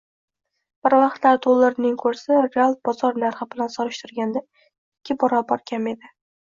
Bir vaqtlar dollarning kursi real bozor narxi bilan solishtirganda ikki barobar kam edi.